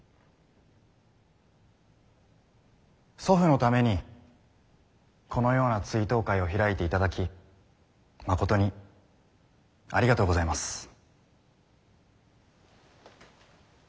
祖父のためにこのような追悼会を開いていただきまことにありがとうございます。